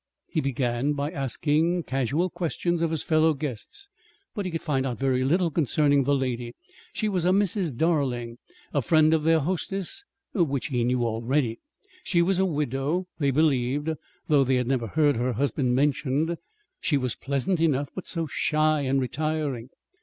He began by asking casual questions of his fellow guests, but he could find out very little concerning the lady. She was a Mrs. Darling, a friend of their hostess (which he knew already). She was a widow, they believed, though they had never heard her husband mentioned. She was pleasant enough but so shy and retiring!